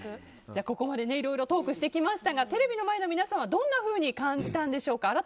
ここまでいろいろトークしてきましたがテレビの前の皆さんはどんなふうに感じたんでしょうか。